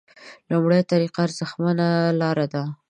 لومړۍ طریقه ارزښتمنه لاره ده.